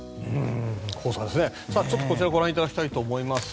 ちょっとこちらをご覧いただきたいと思います。